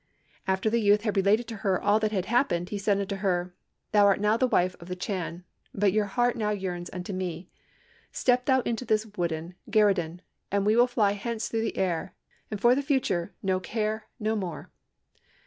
After the youth had related to her all that had happened, he said unto her, 'Thou art now the wife of the Chan but if your heart now yearns unto me, step thou into this wooden gerudin, and we will fly hence through the air, and for the future know care no more.'